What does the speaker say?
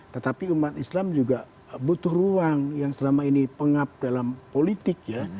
tetapi umat islam juga butuh ruang yang selama ini pengap dalam politik ya